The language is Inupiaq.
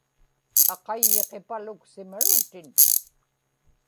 aqayyiqipaluksimarutin